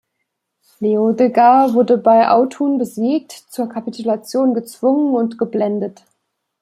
Leodegar wurde bei Autun besiegt, zur Kapitulation gezwungen und geblendet.